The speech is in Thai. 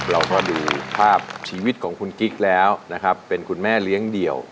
เราก็ดูภาพชีวิตของคุณกิ๊กแล้วนะครับเป็นคุณแม่เลี้ยงเดี่ยว